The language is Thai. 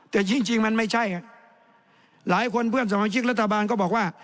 แต่จริงมันไม่ใช่หลายคนเพื่อนสมาชิกรัฐบาลก็บอกว่า